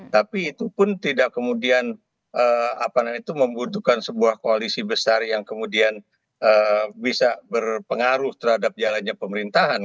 tapi itu pun tidak kemudian membutuhkan sebuah koalisi besar yang kemudian bisa berpengaruh terhadap jalannya pemerintahan